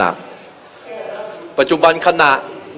ไม่ว่าจะเป็นท่าน